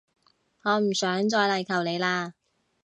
我唔想再嚟求你喇